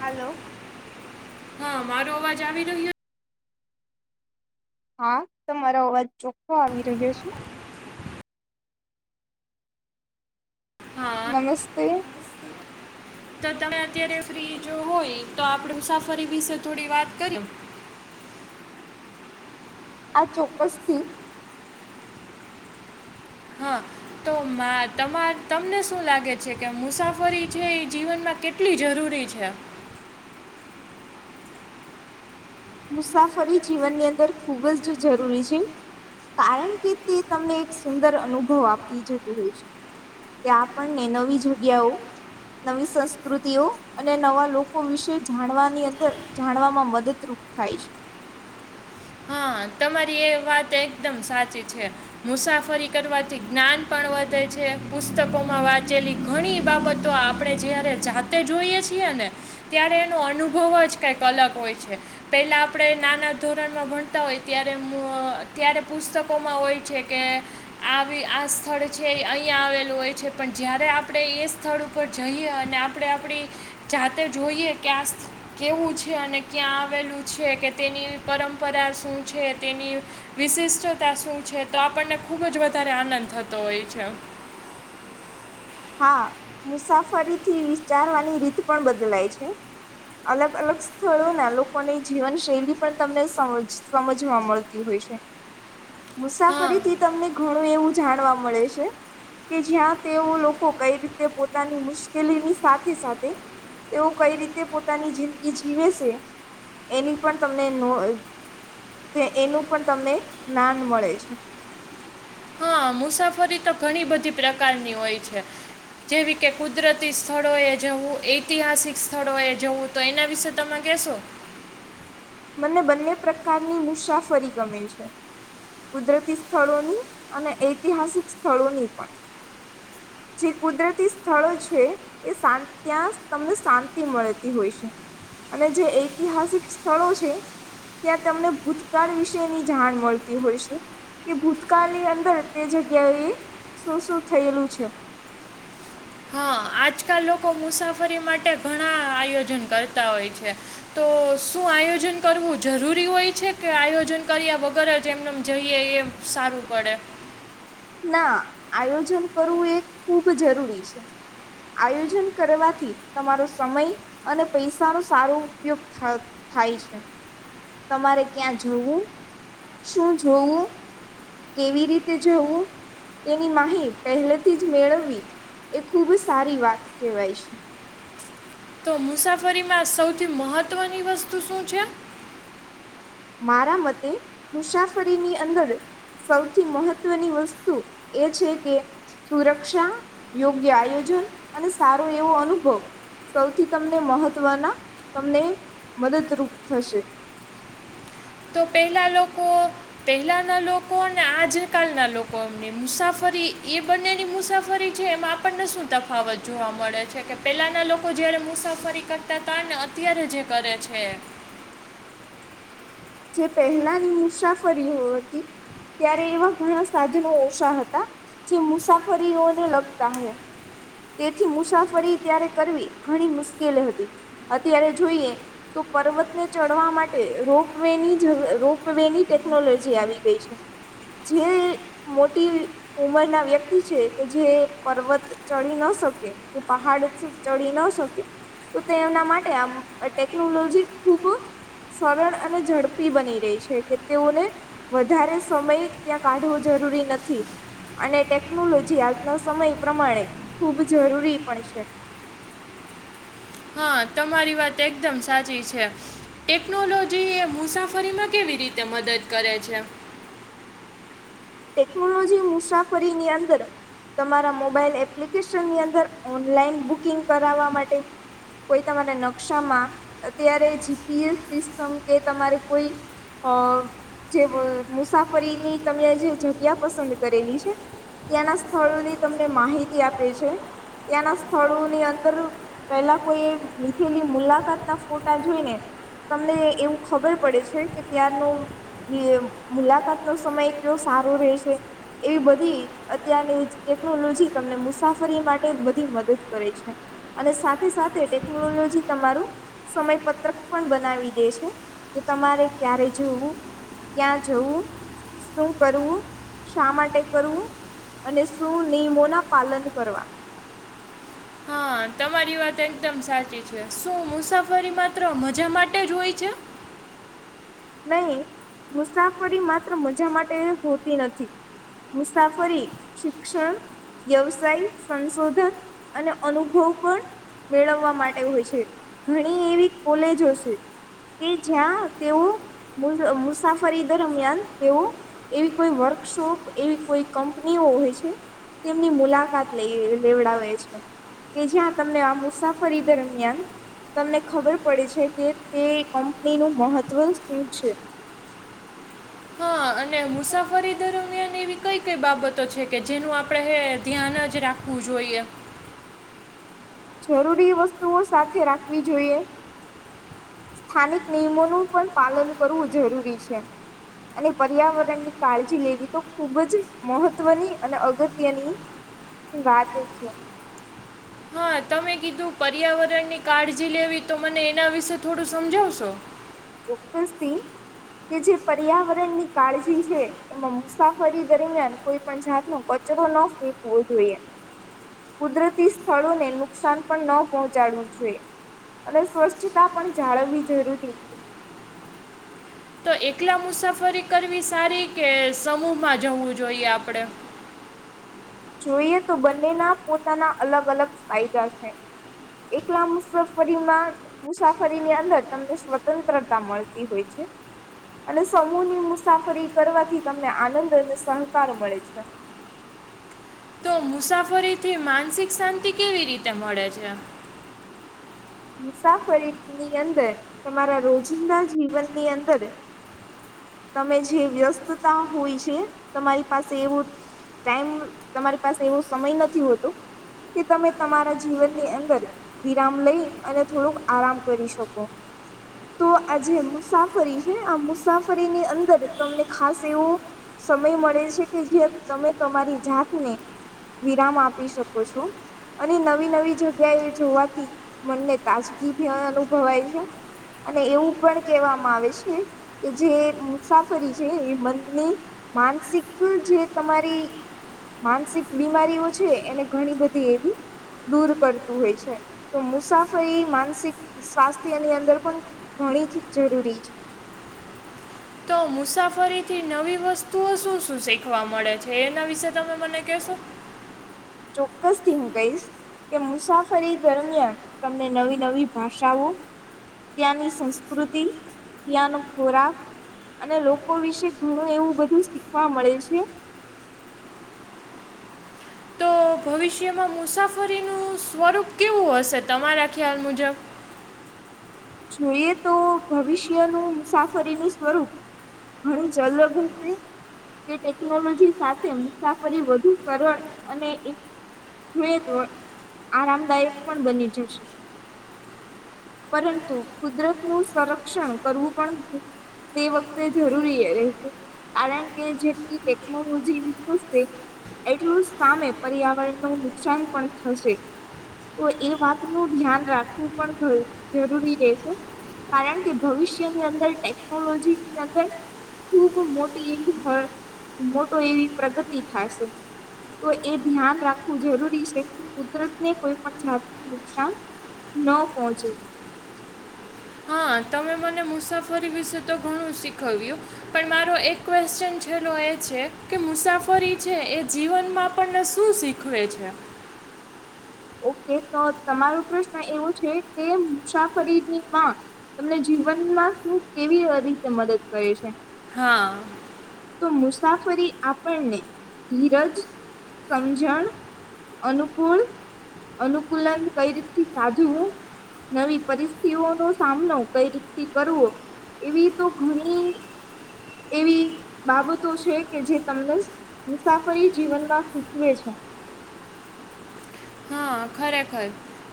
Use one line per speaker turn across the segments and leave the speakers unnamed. Hello
હા મારો અવાજ આવી રહ્યો
હા તમારો અવાજ ચોખ્ખો આવી રહ્યો છે.
હા
નમસ્તે
તો તમે અત્યારે ફ્રી જો હોય તો આપણે મુસાફરી વિશે થોડી વાત કરી.
આ ચોક્કસ થી
હા તો માં તમા તમને શું લાગે છે કે મુસાફરી છે એ જીવનમાં કેટ કેટલી જરૂરી છે?
મુસાફરી જીવનની અંદર ખૂબ જ જરૂરી છે. કારણ કે તે તમને એક સુંદર અનુભવ આપતી જતું હોય છે. ત્યાં આપણને નવી જગ્યાઓ નવી સંસ્કૃતિઓ અને નવા લોકો વિશે જાણવાની અંદર જાણવામાં મદદરૂપ થાય છે.
હા તમારી એ વાત એકદમ સાચી છે. મુસાફરી કરવાથી જ્ઞાન પણ વધે છે પુસ્તકોમાં વાંચેલી ઘણી બાબતો આ આપડે જયારે જાતે જોઈએ છીએ ને ત્યારે એનો અનુભવ જ કઈક અલગ હોય છે પેલા આપણે નાના ધોરણમાં ભણતા હોય ત્યારે [unintelligible] ત્યારે પુસ્તકોમાં હોય છે કે આવી આ સ્થળ છે અહીયાં આવેલું હોય છે પણ જયારે આપડે એ સ્થળ પર જઈએ અને આપણે આપણી જાતે જોઈએ કે આ સ્થ કેવું છે અને ક્યાં આવેલું છે કે તેની પરંપરા શું છે તેની? વિશિષ્ટતા શું છે? તો આપણને ખુબ જ વધારે આનંદ થતો હોય છે.
હા મુસાફરી થી વિચારવાની રીત પણ બદલાય છે. અલગ અલગ સ્થળો ના લોકોની જીવનશૈલી પણ તમને સમજ સમજવા મળતી હોય છે.
[inaudible] હા
મુસાફરી થી તમને ઘણું એવું જાણવા મળે છે કે જ્યાં તેવું લોક કો કઈ રીતે પોતાની મુશ્કેલીની સાથે સાથે તેઓ કઈ રીતે પોતાની જિંદગી જીવે છે? એની પણ તમને નો એનું પણ તમને જ્ઞાન મળે છે.
હા મુસાફરી તો ઘણી બધી પ્રકારની હોય છે. જેવી કે કુદરતી સ્થળોએ જવું ઐતિહાસિક સ્થળો એ જવું તો એના વિશે તમે કેશો.
મને બંને પ્રકારની મુસાફરી ગમે છે. કુદરતી સ્થળોની અને ઐતિહાસિક સ્થળોની પણ. જે કુદરતી સ્થળો છે. એ શાંત ત્યાં તમને શાંતિ મળતી હોય છે. અને જે ઐતિહાસિક સ્થળો છે. છે ત્યાં તમને ભૂતકાળ વિશે ની જાણ મળતી હોય છે. કે ભૂતકાળની અંદર તે જગ્યાએ શું શું થયેલું છે.
હા આજકાલ લોકો મુસાફરી માટે ઘણા આયોજન કરતા હોય છે. તો શું આયોજન કરવું જરૂરી હોય તે છે, કે આયોજન કર્યા વગર જ એમને જઈએ એમ સારું પડે.
ના આયોજન કરવું એ ખુબ જરૂરી છે. આયોજન કરવાથી તમારો સમય અને પૈસાનો સારો ઉપયોગ થ થાય છે. તમારે ક્યાં જવું શું જોવું? કેવી રીતે જવું તેની માહી પહેલેથી જ મેળવવીએ ખુબ સારી વાત કેહેવાય છે.
તો મુસાફરીમાં સૌથી મહત્વની વસ્તુ શું છે.
મારા મતે મુસાફરી ની અંદર સૌથી મહત્વની વસ્તુએ છે કે સુરક્ષા યોગ્ય આયોજન અને સારો એવો અનુભવ સૌથી તમને મહત્વના તમને મદદરૂપ થશે.
તો પેલા લોકો પેલાના લોકો અને આજ કલના લોકો એમને મુસાફરીએ બંનેની મુસાફરી છે એમાં આપણને શું તફાવત જોવા મળે છે કે પેલાના લોકો જયારે મુસાફરી કરતા તા તા ને અત્યારે જે કરે છે.
જે પહેલાની મુસાફરીઓ હતી. ત્યારે એવા ઘણા સાધનો ઓછા હતા જે મુસાફરીઓને લગતા અહે તેથી મુસાફરી ત્યારે કરવી ઘણી મુશ્કેલ હતી અત્યારે જોઈએ તો પર્વતને ચડવા માટે રોપવેની જ રોપવે ની ટેકનોલોજી આવી ગઈ છે. જે મોટી ઉંમરના વ્યક્તિ છે તે કે જે પર્વત ચડી ન શકે કે પહાડ ચડી ન શકે તો તેમના માટે આમ ટેકનોલોજી ખુબ સરળ અને ઝડપી બની રહી છે કે તેઓને વધારે સમય ત્યાં કાઢવો જરૂરી નથી. અને ટેકનોલોજી આજના સમય પ્રમાણે ખૂબ જરૂરી પણ છે.
હા તમારી વાત એકદમ સાચી છે. ટેકનોલોજીએ મુસાફરીમાં કેવી રીતે મદદ કરે છે?
ટેકનોલોજી મુસાફરી ની અંદર તમારા મોબાઈલ એપ્લિકેશનની અંદર ઓનલાઈન બુકિંગ કરાવવા માટે કોઈ તમારા નકશામાં અત્યારે જી પી એસ સિસ્ટમ કે તમારે કોઈ અ જે મુસાફરીની તમે જે જગ્યા પસંદ કરેલી છે. ત્યાંના સ્થળોની તમને માહિતી આપે છે ત્યાંના સ્થળોની અંદર પેલા કોઈ લીધેલી મુલાકાતના ફોટા જોઈને તમને એવું ખબર પડે છે કે ત્યાંરનું ને મુલાકાત નો સમય કેવો સારો રહેશે. એવી બધી અત્યારની ટેકનોલોજી તમને મુસાફરી માટે બધી મદદ કરે છે. અને સાથે સાથે ટેકનોલોજી તમારું સમય પત્રક પણ બનાવી દે છે કે તમારે ક્યારે જવવું ક્યાં જવું શું કરવું શા માટે કરવું અને શું નિયમો ના પાલન કરવા
હા તમારી વાત એકદમ સાચી છે, શું મુસાફરી માત્ર મજા માટે જ હોય છે?
નહીં મુસાફરી માત્ર મજા માટે હોતી નથી. મુસાફરી શિક્ષણ વ્યવસાય, સંશોધન અને અનુભવ પણ મેળવવા માટે હોય છે, ઘણી એવી કોલેજો છે. કે જ્યાં તેઓ મુસ મુસાફરી દરમિયાન તેઓ એવી કોઈ વર્કશોપ એવી કોઈ કંપનીઓ હોય છે. તેમની મુલાકાત લઈ લેવડાવે છે. કે જ્યાં તમને આ મુસાફરી દરમિયાન તમને ખબર પડે છે, કે તે કંપની નું મહત્વ શું છે.
હ અને મુસાફરી દરમિયાન એવી કઈ કઈ બાબતો છે, કે જેનું આપણે હે ધ્યાન જ રા ખવુ જોઈએ
જરૂરી વસ્તુઓ સાથે રાખવી જોઈએ. સ્થાનિક નિયમોનું પણ પાલન કરવું જરૂરી છે. અને પર્યાવરણની કાળજી લેવી તો ખુબ જ મહત્વની અને અગત્યની વાદ છે.
હા તમે કીધું પર્યાવરણની કાળજી લેવી તો મને એના વિશે થોડું સમજાવશો?
ચોક્કસથી કે જે પર્યાવરણની કાળજી છે. એમાં મુસાફરી દરમિયાન કોઈ પણ જાત ન કચરો ન ફેકવો જોએ. કુદરતી સ્થળોને નુકસાન પણ ન પહોંચાડવું જોએ. અને સ્વચ્છતા પણ જાળવવી જરૂરી છે.
તો એકલા મુસાફરી કરવી સારી કે સમૂહમાં જવું જોઈએ આપડે?
જોઈએ તો બંનેના પોતાના અલગ અલગ ફાયદા છે. એકલા મુસાફરીમાં મુસાફરીની અંદર તમને સ્વતંત્રતા મળતી હોય છે. અને સમૂહની મુસાફરી કરવાથી તમને આનંદ અને સહકાર મળે છે.
તો મુસાફરીથી માનસિક શાંતિ કેવી રીતે મળે છે.
મુસાફરીની અંદર તમારા રોજિંદા જીવનની અંદર તમે જે વ્યસ્તતા હોય છે, તમારી પાસે એવું ટાઈમ તમારી પાસે એવો સમય નથી હોતો. કે તમે તમારા જીવનની અંદર વિરામ લઈ અને થોડુંક આરામ કરી શકો તો આ જે મુસાફરી છે, આ મુસાફરીની અંદર તમને ખાસ એવું સમય મળે છે, કે જે તમે તમારી જાતને વિરામ આપી શકો છો અને નવી નવી જગ્યા એ જોવાથી મનને તાજગી ભી અનુભવાય છે. અને એવું પણ કહેવામાં આવે છે, કે જે મુસાફરી છે, એ મનની માનસિક જે તમારી માનસિક બીમારીઓ છે, એને ઘણી બધી એવી દૂર કરતું હોય છે, તો મુ સાફરી માનસિક સ્વાસ્થ્યની અંદર પણ ઘણી જ જરૂરી
તો મુસાફરીથી નવી વસ્તુઓ શું શું શીખવા મળે છે, એના વિશે તમે મને કેશો?
ચોક્કસથી હુ કહીશ. કે મુસાફરી દરમિયાન તમને નવી નવી ભાષાઓ તયાની સંસ્કૃતિ તયાનો ખોરાક અને લોકો વિશે ઘણું એવું બધું શીખવા મળે છે.
તો ભવિષ્યમાં મુસાફરીનું સ્વરૂપ કેવું હશે તમારા ખ્યાલ મુજબ?
જોઈએ તો ભવિષ્યનું મુસાફરીનું સ્વરૂપ [inaudible] કે ટેકનોલોજી સાથે મુસાફરી વધુ કરણ અને [inaudible] આરામદાયક પણ બની જશે. પરંતુ કુદરત નું સંરક્ષણ કરવું પણ તે વખતે જરૂરી એ રહેશે. કારણ કે જેટલી ટેકનોલોજી વિકશે. એટલું સામે પર્યાવરણ નુ નુકસાન પણ થશે. તો એ વાતનું ધ્યાન રાખવું પણ જરૂરી તે છે કારણ કે ભવિષ્યની અંદર ટેકનોલોજીની અંદર ખૂબ મોટી એવી હ મોટો એવી પ્રગતિ થાય છે. તો એ ધ્યાન રાખવું જરૂરી છે કે કુદરતને કોઈ પણ જાત નુકસાન ન પહોંચે.
હા તમે મને મુસાફરી વિશે તો ઘણું શીખવ્યું. પણ મારો એક ક્વેશચન છેલો એ છે કે મુસાફરી છે એ જીવનમાં આપને શું શીખ ખવે છે.
ઓકે તો તમારો પ્રશ્ન એવું છે કે મુસાફરીની માં તમને જીવનમાં શું કેવી રીતે મદદ કરે છે?
હા
તો મુસાફરી આપણને ધીરજ, સમજણ અનુકૂળ અનુકૂલન કઈ રીત થી સાધવુ? નવી પરિસ્થિઓ નો સામનો કઈ રીતથી કરવો? એવી તો ઘણી એવી બાબતો છે કે જે તમને મુસાફરી જીવનમાં શીખવે છે.
હા ખરેખર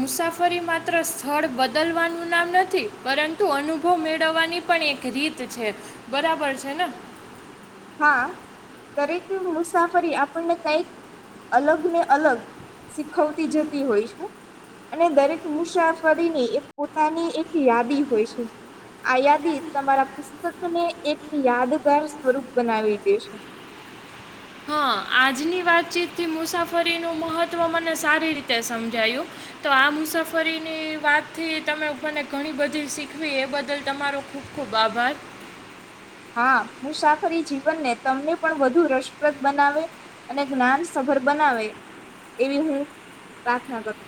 મુસાફરી માત્ર સ્થળ બદલવાનું નામ નથી પરંતુ અનુભવ મેળવવાની પણ એક રીત છે બરાબર છે ને
હા દરેક મુસાફરી આપણને કઈક અલગ ને અલગ શીખવતી જતી હોય છે. અને દરેક મુસાફરીની એક પોતાની એક યાદી હોય છે. આ યાદી તમારા પુસ્તક ને એક યાદગાર સ્વરૂપ બનાવી દેશે.
હા આજની વાતચીતથી મુસાફરીનું મહત્ત્વ મને સારી રીતે સમજાયું. તો આ મુસાફરીની વાતથી તમે મને ઘણી બધી શીખવી એ બદલ તમારો ખૂબ ખૂબ આભાર.
હા મુસાફરી જીવન ને તમને પણ વધુ રસપ્રદ બનાવે. અને જ્ઞાન સભર બનાવે એવી હું પ્રાર્થના કરું.